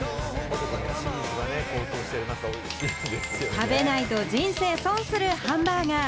食べないと人生損するハンバーガー。